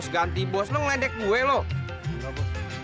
jangan mengganggu hakim